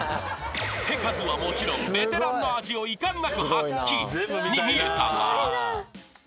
［手数はもちろんベテランの味を遺憾なく発揮に見えたが］